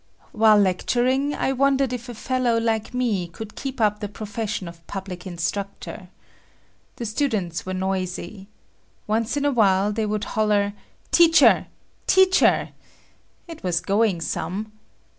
While lecturing, I wondered if a fellow like me could keep up the profession of public instructor. The students were noisy. Once in a while, they would holler "Teacher!" "Teacher,"—it was "going some."